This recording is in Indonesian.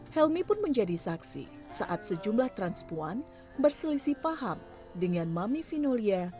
helmi pun menjadi saksi saat sejumlah transpuan berselisih paham dengan mami vinolia